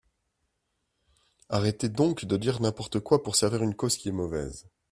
Arrêtez donc de dire n’importe quoi pour servir une cause qui est mauvaise.